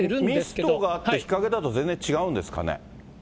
やっぱりミストがあって日陰だと、全然違うんですかね？